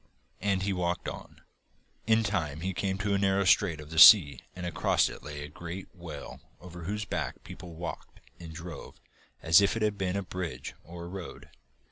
And he walked on. In time he came to a narrow strait of the sea and across it lay a great whale over whose back people walked and drove as if it had been a bridge or a road.